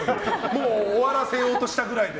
もう終わらせようとしたくらいに。